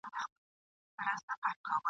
د هغه قوم په نصیب خرسالاري وي !.